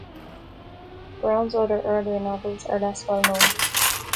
Brown's other, earlier novels are less well-known.